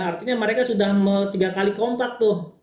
artinya mereka sudah tiga kali kompak tuh